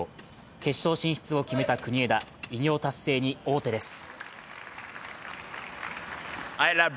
決勝進出を決めた国枝、偉業達成に王手です。